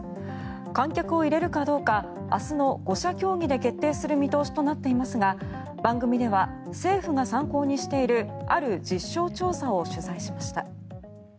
観客を入れるかどうか明日の５者協議で決定する見通しとなっていますが番組では政府が参考にしているある実証調査を取材しました。